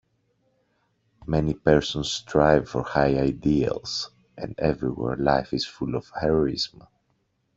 Many persons strive for high ideals, and everywhere life is full of heroism.